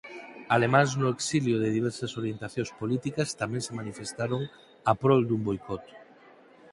Alemáns no exilio de diversas orientacións políticas tamén se manifestaron a prol dun boicot.